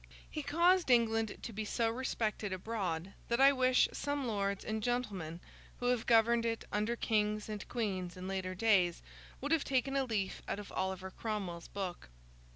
He caused England to be so respected abroad, that I wish some lords and gentlemen who have governed it under kings and queens in later days would have taken a leaf out of Oliver Cromwell's book.